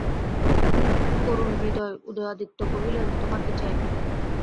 করুণহৃদয় উদয়াদিত্য কহিলেন, তোমার কী চাই?